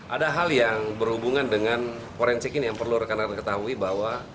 ada hal yang berhubungan dengan forensik ini yang perlu rekan rekan ketahui bahwa